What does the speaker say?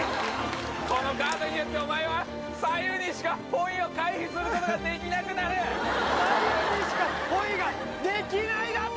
このカードによってお前は左右にしかホイを回避することができなくなる左右にしかホイができないだと？